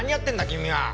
君は。